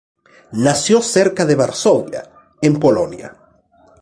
Nació cerca de Varsovia, en Polonia.